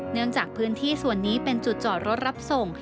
เนื่องจากพื้นที่ส่วนนี้เป็นจุดจอดรถรับส่ง